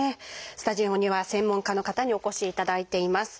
スタジオには専門家の方にお越しいただいています。